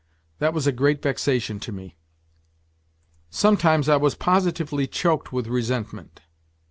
That was a great vexation to me. Sometimes I was positively choked with resentment.